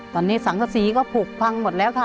ตอนนี้สังกษีก็ผูกพังหมดแล้วค่ะ